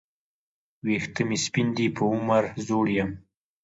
وېښته مي سپین دي په عمر زوړ یم